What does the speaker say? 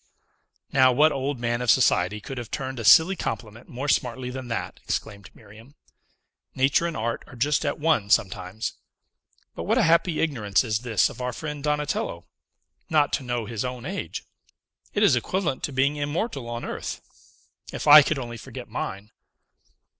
"Now, what old man of society could have turned a silly compliment more smartly than that!" exclaimed Miriam. "Nature and art are just at one sometimes. But what a happy ignorance is this of our friend Donatello! Not to know his own age! It is equivalent to being immortal on earth. If I could only forget mine!"